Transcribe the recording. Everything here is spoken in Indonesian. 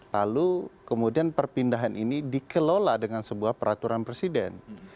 lalu kemudian perpindahan ini dikelola dengan sebuah peraturan presiden